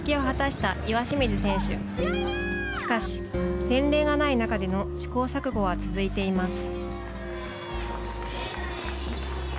しかし、前例がない中での試行錯誤は続いています。